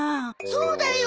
そうだよ。